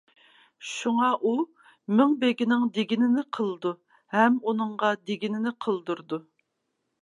شۇڭا ئۇ مىڭبېگىنىڭ دېگىنىنى قىلىدۇ ھەم ئۇنىڭغا دېگىنىنى قىلدۇرىدۇ.